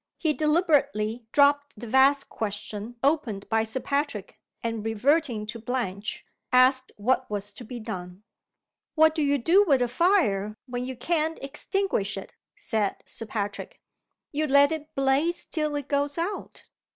He deliberately dropped the vast question opened by Sir Patrick; and, reverting to Blanche, asked what was to be done. "What do you do with a fire, when you can't extinguish it?" said Sir Patrick. "You let it blaze till it goes out.